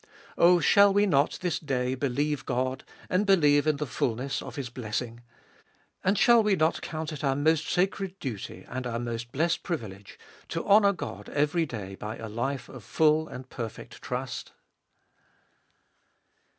Oh, shall we not this day believe God and believe in the fulness of His blessing? And shall we not count it our most sacred duty, and our most blessed privilege, to honour God every day by a life of full and perfect trust